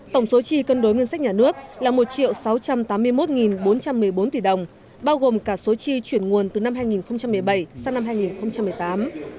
tổng số chi cân đối ngân sách nhà nước là một sáu trăm tám mươi một bốn trăm một mươi bốn tỷ đồng bao gồm cả số chi chuyển nguồn từ năm hai nghìn một mươi bảy sang năm hai nghìn một mươi tám